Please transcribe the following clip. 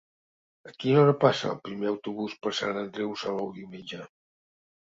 A quina hora passa el primer autobús per Sant Andreu Salou diumenge?